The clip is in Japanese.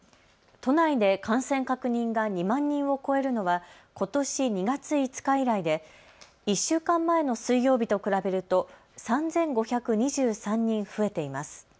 都内で感染確認が２万人を超えるのはことし２月５日以来で１週間前の水曜日と比べると３５２３人増えています。